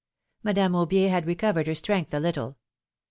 Madame Aubier had recovered her strength a little.